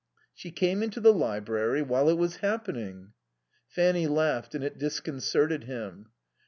"She came into the library while it was happening " Fanny laughed and it disconcerted him.